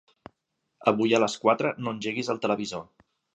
Avui a les quatre no engeguis el televisor.